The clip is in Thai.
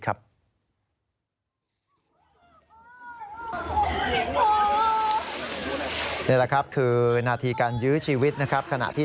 คุณที่